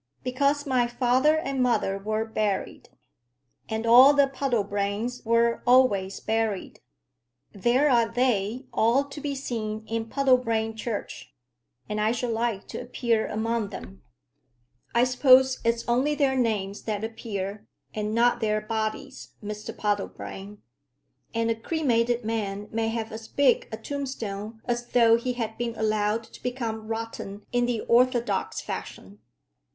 "Because my father and mother were buried. And all the Puddlebranes were always buried. There are they, all to be seen in Puddlebrane Church, and I should like to appear among them." "I suppose it's only their names that appear, and not their bodies, Mr Puddlebrane. And a cremated man may have as big a tombstone as though he had been allowed to become rotten in the orthodox fashion."